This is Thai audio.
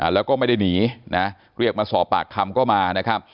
แล้วก็ไม่ได้หนีนะเรียกมาสอบปากคำก็มานะครับ